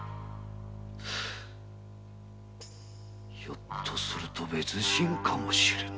ひょっとすると別人かもしれぬ。